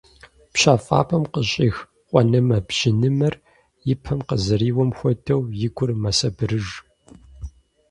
ПщэфӀапӀэм къыщӀих къуэнымэ-бжьынымэр и пэм къызэриуэм хуэдэу, и гур мэсабырыж.